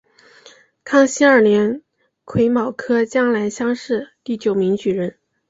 康熙二年癸卯科江南乡试第九名举人。